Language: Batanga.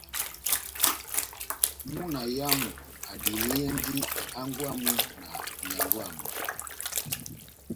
Múna oyamu adiliyɛndi hángwɛ́ wamu na nyángwɛ wamu.